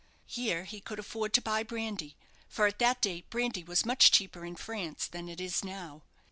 Here he could afford to buy brandy, for at that date brandy was much cheaper in France than it is now.